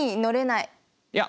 いや。